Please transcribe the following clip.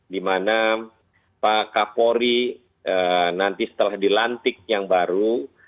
dimana pak kapolri nanti setelah dilantik yang baru